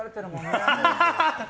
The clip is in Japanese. アハハハ！